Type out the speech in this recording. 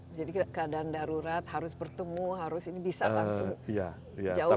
jadi keadaan darurat harus bertemu harus ini bisa langsung